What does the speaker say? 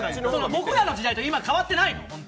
僕らの時代と変わってないの？